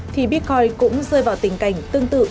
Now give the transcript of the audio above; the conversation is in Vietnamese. thì bitcoin cũng rơi vào tình cảnh tương tự